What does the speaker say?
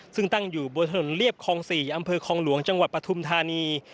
ซึ่งตั้งอยู่บนถนนเรียบคลอง๔อำเภอคลองหลวงจังหวัดปฐุมธานี